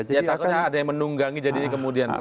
ya takutnya ada yang menunggangi jadi kemudian